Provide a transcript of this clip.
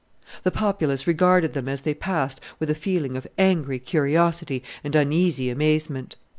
The populace regarded them as they passed with a feeling of angry curiosity and uneasy amazement.